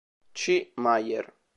C. Mayer